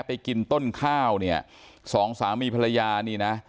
ไปกินต้นข้าวเนี่ยสองสามีภรรยานี่นะ